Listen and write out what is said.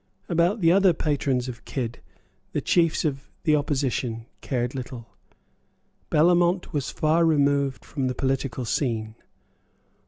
About the other patrons of Kidd the chiefs of the opposition cared little. Bellamont was far removed from the political scene.